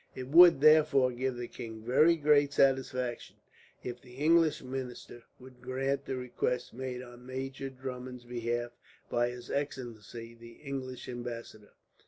It would, therefore, give the king very great satisfaction if the English minister would grant the request made on Major Drummond's behalf by his excellency, the English ambassador."